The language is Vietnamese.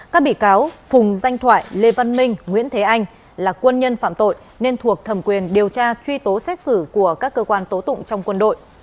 các bị cáo phùng danh thoại lê văn minh nguyễn thế anh là quân nhân phạm tội nên thuộc thẩm quyền điều tra truy tố xét xử của các cơ quan tố tụng trong quân đội